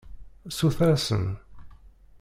Suter-asen.